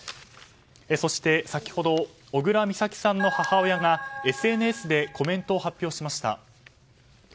そして、先ほど小倉美咲さんの母親がＳＮＳでコメントを発表しました。